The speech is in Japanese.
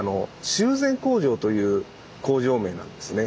「修繕工場」という工場名なんですね。